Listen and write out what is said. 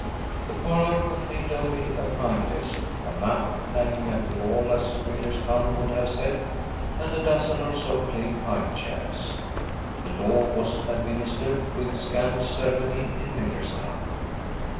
The parlor contained only a pine desk, a map, hanging 'at' the wall, as Millerstown would have said, and a dozen or so plain pine chairs. The law was administered with scant ceremony in Millerstown.